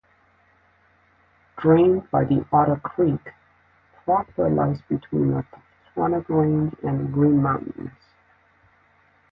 Drained by Otter Creek, Proctor lies between the Taconic Range and Green Mountains.